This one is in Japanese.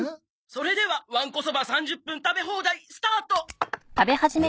それではわんこそば３０分食べ放題スタート！